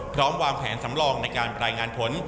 พร้อมวางแผนสำรองในการรายงานผล